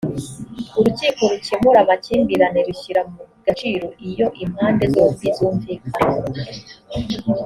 urukiko rukemura amakimbirane rushyira mu gaciro iyo impande zombie zumvikana